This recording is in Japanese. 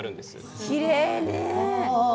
きれいね。